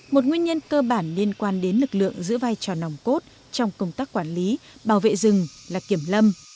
một nguyên nhân cơ bản liên quan đến lực lượng giữ vai trò nòng cốt trong công tác quản lý bảo vệ rừng là kiểm lâm